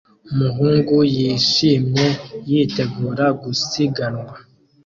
Umuhungu yishimye yitegura gusiganwa